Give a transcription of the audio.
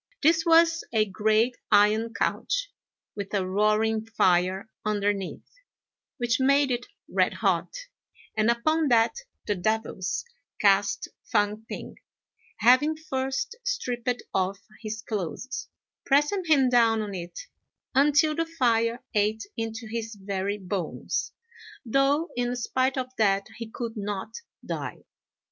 This was a great iron couch, with a roaring fire underneath, which made it red hot; and upon that the devils cast Fang p'ing, having first stripped off his clothes, pressing him down on it, until the fire ate into his very bones, though in spite of that he could not die.